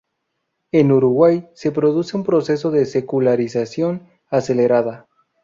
En Uruguay, se produce "un proceso de secularización acelerada".